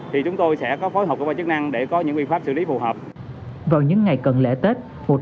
thì chúng tôi sẽ có phối hợp các chức năng để có những biện pháp xử lý phù hợp